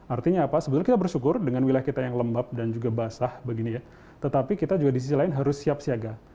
artinya apa sebetulnya kita bersyukur dengan wilayah kita yang lembab dan juga basah begini ya tetapi kita juga di sisi lain harus siap siaga